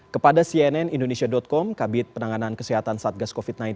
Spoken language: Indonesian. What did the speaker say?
kepada cnn indonesia com kabit penanganan kesehatan satgas covid sembilan belas